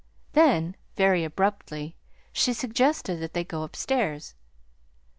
Then, very abruptly, she suggested that they go upstairs.